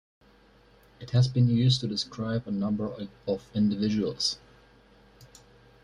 It has been used to describe a number of individuals.